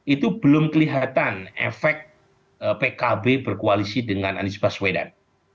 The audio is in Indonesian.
itu belum kelihatan efek pkb berkoalisi dengan anies baswedan